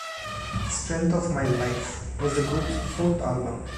"Strength of my Life" was the group's fourth album.